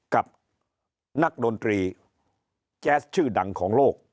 กับนักดนตรีแจ๊สชื่อดังของโลก